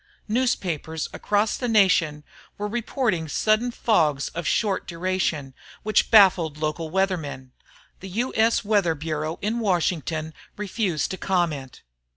Newspapers across the nation were reporting sudden fogs of short duration which baffled local weathermen. The U. S. Weather Bureau in Washington refused to comment.